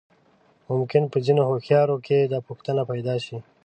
ممکن په ځينې هوښيارو کې دا پوښتنه پيدا شي.